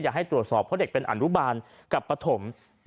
ให้ตรวจสอบเพราะเด็กเป็นอนุบาลกับปฐม